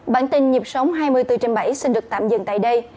bản tin nhịp sống hai mươi bốn trên bảy xin được tạm dừng tại đây